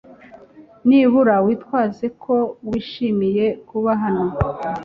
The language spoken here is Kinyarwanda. Nibura witwaze ko wishimiye kuba hano .